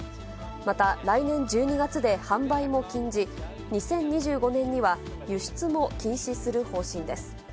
また来年１２月で販売も禁じ、２０２５年には、輸出も禁止する方針です。